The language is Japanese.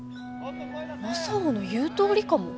正男の言うとおりかも。